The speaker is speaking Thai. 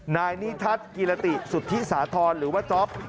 นายนิทัศน์กิรติสุธิสาธรณ์หรือว่าจ๊อป